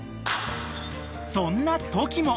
［そんなトキも］